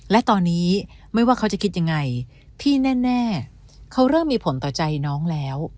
และตอนนี้ไม่ว่าเขาจะคิดยังไงพี่แน่เขาเริ่มมีผลต่อใจน้องแล้ว